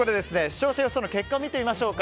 視聴者予想の結果を見てみましょう。